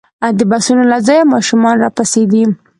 د بسونو له ځایه ماشومان راپسې دي.